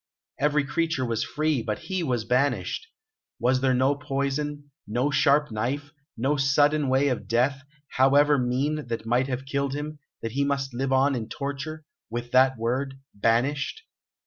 Every creature was free, but he was banished. Was there no poison, no sharp knife, no sudden way of death, however mean, that might have killed him, that he must live on in torture, with that word "banished"?